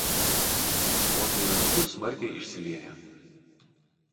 Potvynių metu smarkiai išsilieja.